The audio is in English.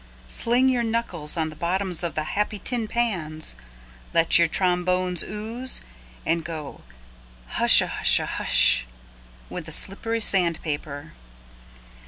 Sling your knuckles on the bottoms of the happy tin pans, let your trombones ooze, and go hushahusha hush with the slippery sand paper.